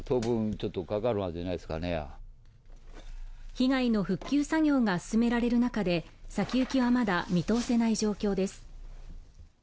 被害の復旧作業が進められる中で、先行きはまだ見通せない状況です。